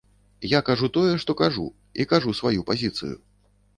Я кажу тое, што кажу, і кажу сваю пазіцыю.